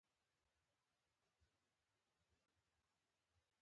دغه چاره د بهرنۍ سوداګرۍ حجم کموي.